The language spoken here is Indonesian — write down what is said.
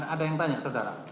ada yang tanya saudara